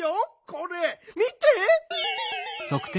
これ見て！